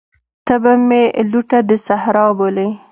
ته به مي لوټه د صحرا بولې